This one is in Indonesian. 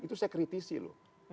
itu saya kritisi loh